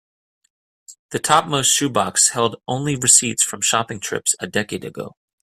The topmost shoe box held only receipts from shopping trips a decade ago.